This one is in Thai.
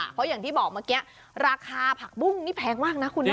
เพราะอย่างที่บอกเมื่อกี้ราคาผักบุ้งนี่แพงมากนะคุณนะ